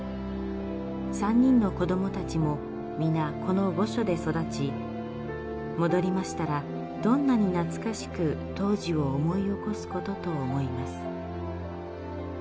３人の子どもたちも皆、この御所で育ち、戻りましたら、どんなに懐かしく当時を思い起こすことと思います。